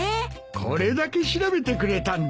これだけ調べてくれたんだ。